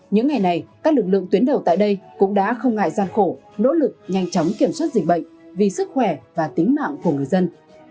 những ngày này các lực lượng tuyến đầu tại đây cũng đã không ngại gian khổ nỗ lực nhanh chóng kiểm soát dịch bệnh vì sức khỏe và tính mạng của người dân